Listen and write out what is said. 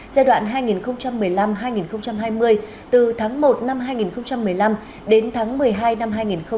giai đoạn hai nghìn một mươi năm hai nghìn hai mươi từ tháng một năm hai nghìn một mươi năm đến tháng một mươi hai năm hai nghìn hai mươi